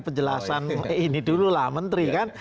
penjelasan ini dulu lah menteri kan